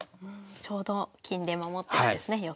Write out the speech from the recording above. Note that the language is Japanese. ちょうど金で守ってるんですね